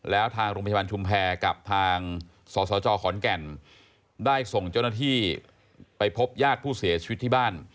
แล้วทางโรงพยาบาลชุมแพรกับทางสสจขอนแก่นได้ส่งเจ้าหน้าที่ไปพบญาติผู้เสียชีวิตที่บ้าน